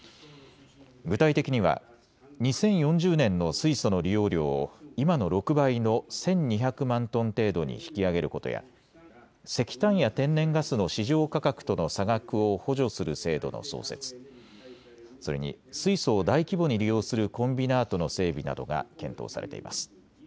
具体的には２０４０年の水素の利用量を今の６倍の１２００万トン程度に引き上げることや石炭や天然ガスの市場価格との差額を補助する制度の創設、それに水素を大規模に利用するコンビナートの整備などが検討されています。